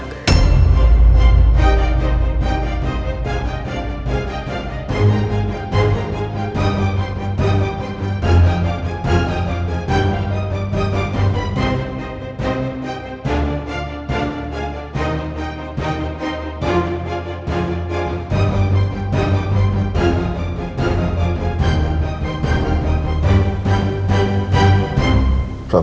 keputusan ada pada anda